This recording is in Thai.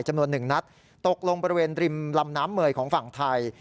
จำนวน๑นัดตกลงบริเวณริมลำน้ำเมย์ของฝั่งไทย